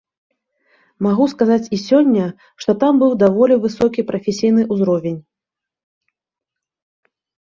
Магу сказаць і сёння, што там быў даволі высокі прафесійны ўзровень.